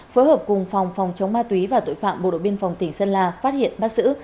phối hợp cùng phòng phòng chống ma túy và tội phạm bộ đội biên phòng tỉnh sơn la phát hiện bắt xử